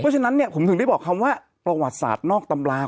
เพราะฉะนั้นเนี่ยผมถึงได้บอกคำว่าประวัติศาสตร์นอกตำรา